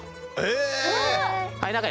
はい。